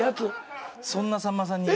そんなさんまさんに。